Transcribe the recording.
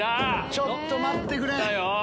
ちょっと待ってくれ。